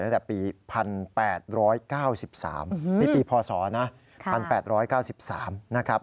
ตั้งแต่ปี๑๘๙๓นี่ปีพศนะ๑๘๙๓นะครับ